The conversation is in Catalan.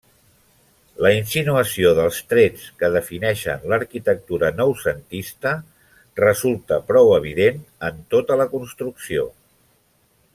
La insinuació dels trets que defineixen l'arquitectura noucentista resulta prou evident en tota la construcció.